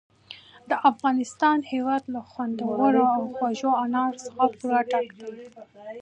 د افغانستان هېواد له خوندورو او خوږو انارو څخه پوره ډک دی.